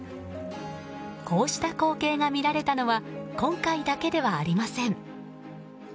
こうした光景が見られたのは今回だけではありません。